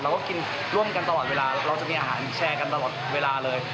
เราก็กินร่วมกันตลอดเวลาเราจะมีอาหารแชร์กันตลอดเวลาเลย